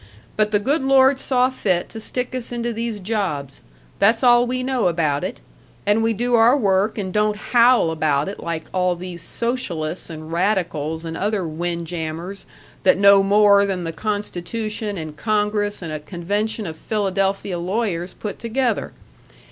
But the good Lord saw fit to stick us into these jobs, that's all we know about it; and we do our work and don't howl about it like all these socialists and radicals and other windjammers that know more than the Constitution and Congress and a convention of Philadelphia lawyers put together.